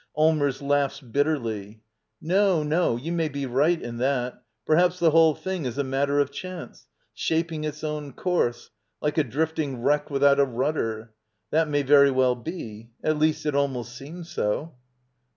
Allmers. [Laughs bitterly.] No, no; you may be right in that. Perhaps the whole thing is a matter of chance — shaping its own course, like a drifting wreck without a rudder. That may very well be. — At least, it almost seems so.